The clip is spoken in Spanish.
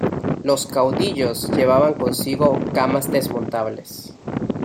Los caudillos llevaban consigo camas desmontables.